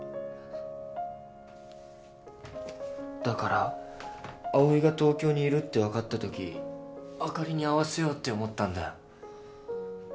だから葵が東京にいるって分かったときあかりに会わせようって思ったんだよ。